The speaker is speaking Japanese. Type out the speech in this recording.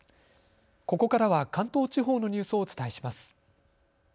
ここからは関東地方のニュースをお伝えします。